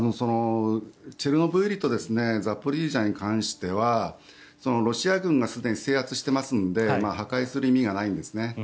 チェルノブイリとザポリージャに関してはロシア軍がすでに制圧していますので破壊する意味がないんですね。